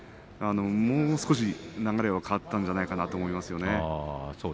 もう少し流れが変わったんじゃないかなと思いますよね。